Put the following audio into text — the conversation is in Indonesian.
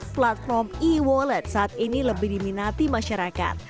platform e wallet saat ini lebih diminati masyarakat